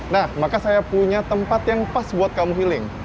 nah maka saya punya tempat yang pas buat kamu healing